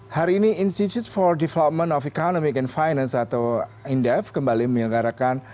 hari ini institute for development of economic and finance atau indef kembali menyelenggarakan